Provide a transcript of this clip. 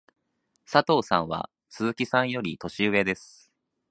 佐藤さんは鈴木さんより年上です。